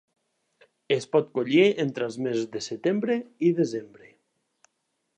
Es pot collir entre els mesos de setembre i desembre.